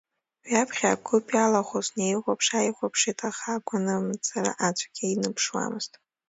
Ҩаԥхьа агәыԥ иалахәыз неихәаԥш-ааихәаԥшит, аха агәынамӡара аӡәгьы иныԥшуамызт.